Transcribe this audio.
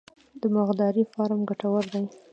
د مرغدارۍ فارم ګټور دی؟